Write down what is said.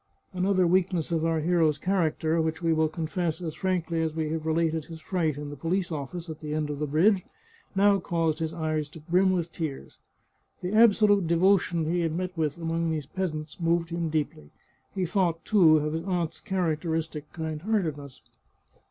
Another weakness of our hero's character, which we will confess as frankly as we have related his fright in the police office at the end of the bridge, now caused his eyes to brim with tears. The absolute devotion he had met with among these peasants moved him deeply. He thought, too, of his aunt's characteristic kind heartedness.